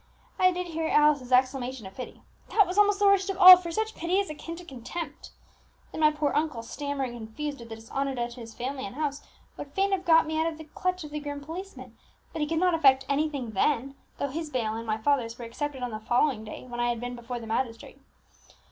I did hear Alice's exclamation of pity, that was almost the worst of all; for such pity is akin to contempt! Then my poor uncle, stammering and confused at the dishonour done to his family and house, would fain have got me out of the clutch of the grim policeman; but he could not effect anything then, though his bail and my father's were accepted on the following day when I had been before the magistrate.